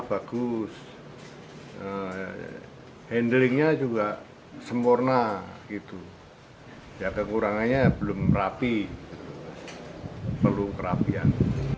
bagus hai handelnya juga sempurna itu jaga kurangannya belum rapi hai terluka rakyat